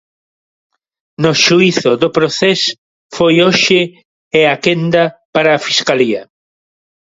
No xuízo do Procés foi hoxe é a quenda para a Fiscalía...